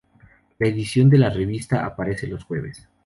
La edición de la revista aparece los jueves.